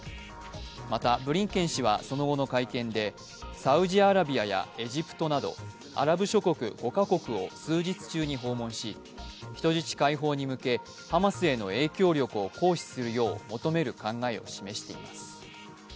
また、ブリンケン氏はその後の会見でサウジアラビアやエジプトなど、アラブ諸国５か国を数日中に訪問し、人質解放に向けハマスへの影響力を行使するよう求める考えを示しています。